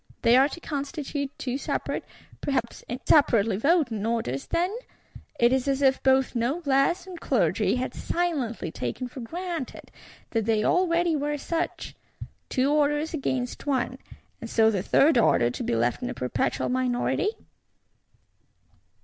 They are to constitute two separate, perhaps separately voting Orders, then? It is as if both Noblesse and Clergy had silently taken for granted that they already were such! Two Orders against one; and so the Third Order to be left in a perpetual minority?